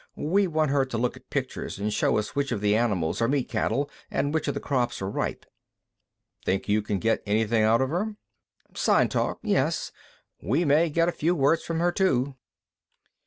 "We want her to look at pictures and show us which of the animals are meat cattle, and which of the crops are ripe." "Think you can get anything out of her?" "Sign talk, yes. We may get a few words from her, too."